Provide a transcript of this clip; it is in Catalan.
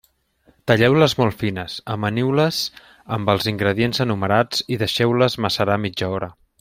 Talleu-les molt fines, amaniu-les amb els ingredients enumerats i deixeu-les macerar mitja hora.